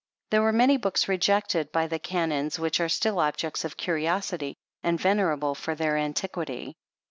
There were many books rejected by the Canons which are still objects of curiosity, and venerable for their antiquity.